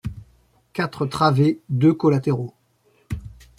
Quatre travées, deux collatéraux.